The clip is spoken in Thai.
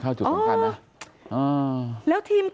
กังฟูเปล่าใหญ่มา